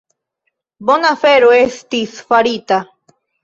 Bona afero estis farita.